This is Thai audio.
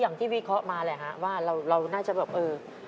อย่างที่วิเคราะห์มาแหละครับว่าน่าจะแบบ